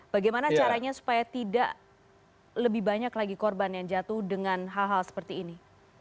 bagaimana caranya supaya tidak lebih banyak lagi korban yang jatuh dengan hal hal seperti ini